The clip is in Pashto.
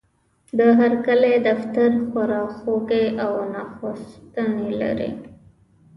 د هرکلي دفتر، خوراکخونې او ناستخونې لري.